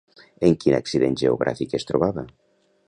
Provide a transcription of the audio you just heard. En quin accident geogràfic es trobava?